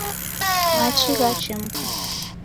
Machi ghachemka.